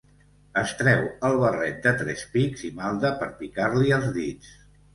Es treu el barret de tres pics i malda per picar-li els dits.